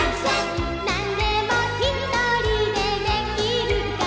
「何でもひとりでできるから」